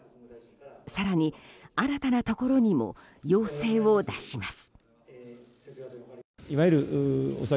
更に、新たなところにも要請を出します。